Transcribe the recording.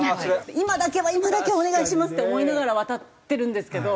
今だけは今だけはお願いします！って思いながら渡ってるんですけど。